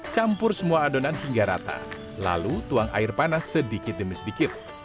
campur semua adonan hingga rata lalu tuang air panas sedikit demi sedikit